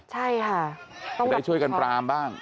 ใช่ค่ะต้องได้ช่วยกันปรามบ้าง